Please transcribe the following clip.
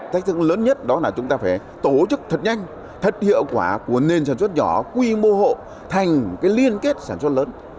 thách thức lớn nhất đó là chúng ta phải tổ chức thật nhanh thật hiệu quả của nền sản xuất nhỏ quy mô hộ thành liên kết sản xuất lớn